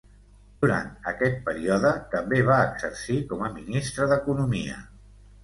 Durant aquest període també va exercir com a ministre d'economia.